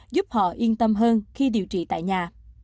giúp họ yên tâm hơn khi điều trị tại nhà